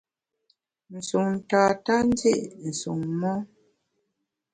Nsun tata ndi’ nsun mon.